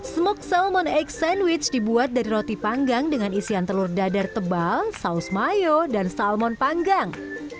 smoke salmon egg sandwich dibuat dari roti panggang dengan isian telur dadar tebal saus mayo dan salmon panggang